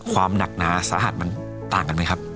ความหนักน้าสหัสมันต่างกันไหมครับ